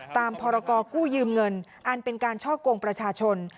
พรกู้ยืมเงินอันเป็นการช่อกงประชาชน